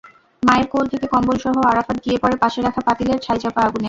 মায়ের কোল থেকে কম্বলসহ আরাফাত গিয়ে পড়ে পাশে রাখা পাতিলের ছাইচাপা আগুনে।